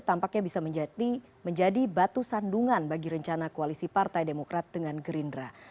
tampaknya bisa menjadi batu sandungan bagi rencana koalisi partai demokrat dengan gerindra